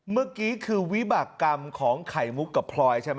เมื่อกี้คือวิบากรรมของไข่มุกกับพลอยใช่ไหม